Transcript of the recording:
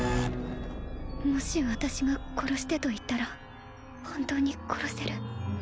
もし私が殺してと言ったら本当に殺せる？